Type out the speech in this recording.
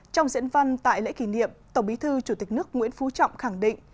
trong diễn văn tại lễ kỷ niệm tổng bí thư chủ tịch nước nguyễn phú trọng khẳng định